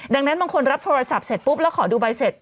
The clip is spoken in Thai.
ดังนั้นบางคนรับโทรศัพท์เสร็จปุ๊บแล้วขอดูใบเสร็จ